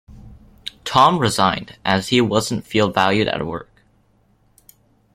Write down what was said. Tom resigned, as he wasn't feeling valued at work.